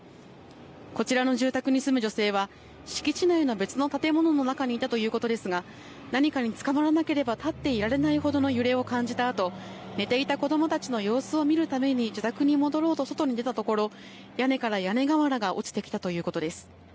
こちらの住宅に住む女性は、敷地内の別の建物の中にいたということですが、何かにつかまらなければ立っていられないほどの揺れを感じたあと、寝ていた子どもたちの様子を見るために自宅に戻ろうと外に出たところ、屋根から屋根瓦が落ちてきたということです。